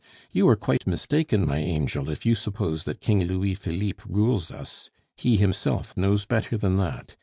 "You are quite mistaken, my angel, if you suppose that King Louis Philippe rules us; he himself knows better than that.